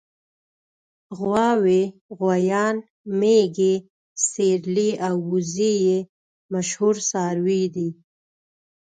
غواوې غوایان مېږې سېرلي او وزې یې مشهور څاروي دي.